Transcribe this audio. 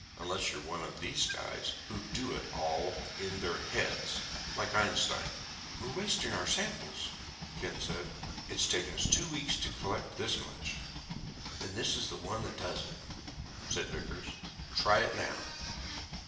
Unless you're one of these guys who do it all in their heads, like Einstein." "We're wasting our samples," Ken said. "It's taken two weeks to collect this much." "Then this is the one that does it," said Vickers. "Try it now."